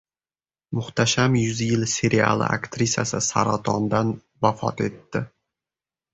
"Muhtasham yuz yil" seriali aktrisasi saratondan vafot etdi